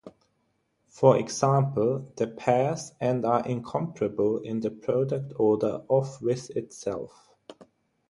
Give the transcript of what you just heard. For example, the pairs and are incomparable in the product order of with itself.